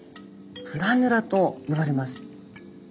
プラヌラと呼ばれます。